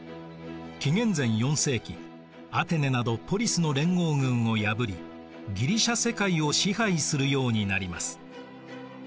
紀元前４世紀アテネなどポリスの連合軍を破りギリシア世界を支配するようになります。